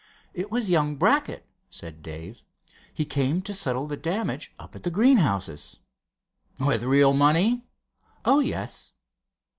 "It was young Brackett," said Dave. "He came to settle the damage up at the greenhouses." "With real money?" "Oh, yes."